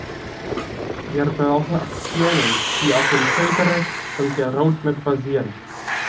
Wir brauchen Aktionen, die auf dem Völkerrecht und der Roadmap basieren.